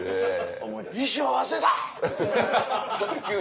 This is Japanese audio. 衣装忘れた！」。